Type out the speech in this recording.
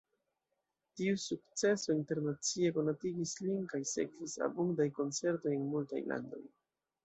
Tiu sukceso internacie konatigis lin, kaj sekvis abundaj koncertoj en multaj landoj.